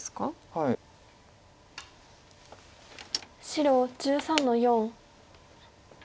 白１３の四。